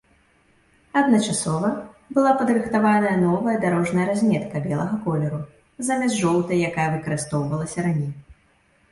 Адначасова была падрыхтавана новая дарожная разметка белага колеру замест жоўтай, якая выкарыстоўвалася раней.